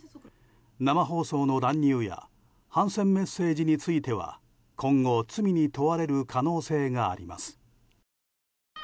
生放送の乱入や反戦メッセージについては今後、罪に問われる可能性があります。